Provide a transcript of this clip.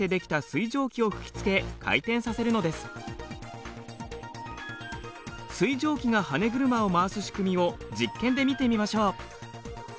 水蒸気がはね車を回す仕組みを実験で見てみましょう。